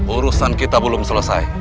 urusan kita belum selesai